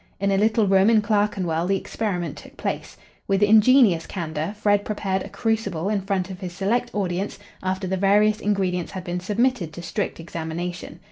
In a little room in Clerkenwell the experiment took place. With ingenious candour, Fred prepared a crucible in front of his select audience after the various ingredients had been submitted to strict examination.